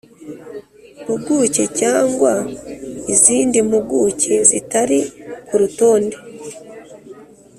mpuguke cyangwa izindi mpuguke zitari ku rutonde